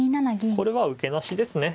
これは受けなしですね。